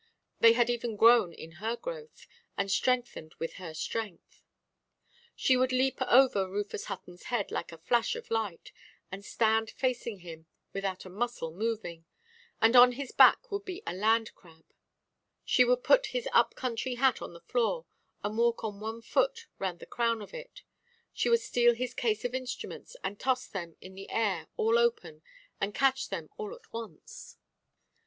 They had even grown with her growth, and strengthened with her strength. She would leap over Rufus Huttonʼs head like a flash of light, and stand facing him, without a muscle moving, and on his back would be a land–crab; she would put his up–country hat on the floor, and walk on one foot round the crown of it; she would steal his case of instruments, and toss them in the air all open, and catch them all at once.